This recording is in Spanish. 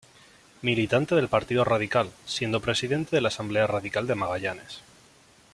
Militante del Partido Radical, siendo presidente de la asamblea radical de Magallanes.